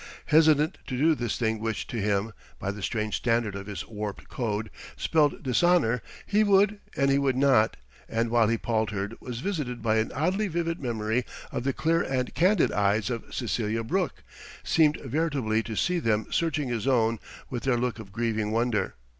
Hesitant to do this thing which to him, by the strange standard of his warped code, spelled dishonour, he would and he would not; and while he paltered, was visited by an oddly vivid memory of the clear and candid eyes of Cecelia Brooke, seemed veritably to see them searching his own with their look of grieving wonder